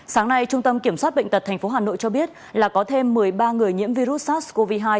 sáng nay trung tâm kiểm soát bệnh tật tp hà nội cho biết là có thêm một mươi ba người nhiễm virus sars cov hai